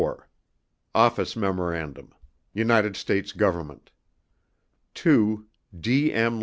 64 Office Memorandum · UNITED STATES GOVERNMENT TO : D. M.